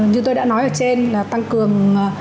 như tôi đã nói ở trên là tăng cường